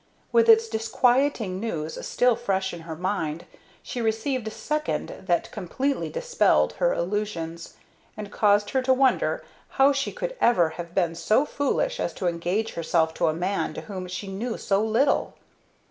With its disquieting news still fresh in her mind, she received a second that completely dispelled her illusions, and caused her to wonder how she could ever have been so foolish as to engage herself to a man of whom she knew so little.